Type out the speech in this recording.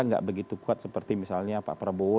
nggak begitu kuat seperti misalnya pak prabowo